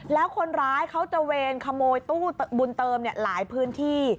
แล้วคนร้ายเขาตระเวนขโมยตู้บุญเติมหลายพื้นที่